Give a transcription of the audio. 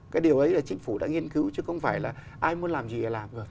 cái điều ấy là chính phủ đã nghiên cứu chứ không phải là ai muốn làm gì thì làm